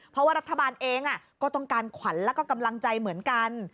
เพราะว่ารัฐบาลเองก็ต้องการขวัญแล้วก็กำลังใจเหมือนกัน